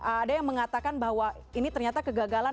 ada yang mengatakan bahwa ini ternyata kegagalan